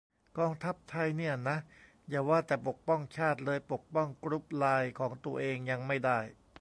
"กองทัพไทยเนี่ยนะ อย่าว่าแต่ปกป้องชาติเลย ปกป้องกรุ๊ปไลน์ของตัวเองยังไม่ได้"